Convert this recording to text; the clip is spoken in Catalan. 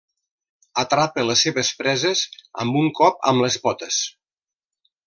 Atrapa les seves preses amb un cop amb les potes.